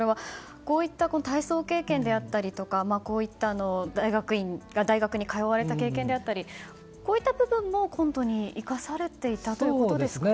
こういった体操経験であったり大学に通われた経験であったりこういった部分も、コントに生かされていたということですか。